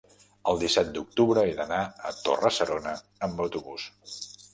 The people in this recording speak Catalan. el disset d'octubre he d'anar a Torre-serona amb autobús.